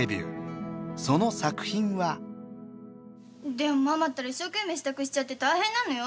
でもママったら一生懸命支度しちゃって大変なのよ。